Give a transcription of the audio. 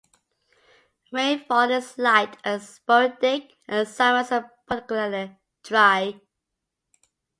Rainfall is light and sporadic, and summers are particularly dry.